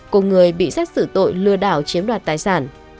cùng người bị xét xử tội lừa đảo chiếm đoạt tài sản